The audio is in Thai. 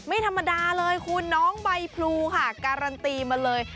ไม่ธรรมดาเลยคุณน้องใบพลูค่ะการันตีมาเลย